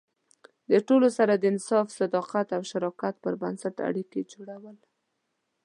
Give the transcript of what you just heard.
د ټولو سره د انصاف، صداقت او شراکت پر بنسټ اړیکې جوړول.